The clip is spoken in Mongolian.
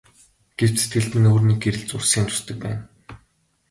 Гэвч сэтгэлд минь өөр нэг гэрэл зурсхийн тусдаг байна.